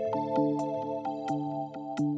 ya bangunannya pesatnya ya luar biasa